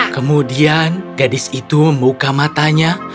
kemudian gadis itu membuka matanya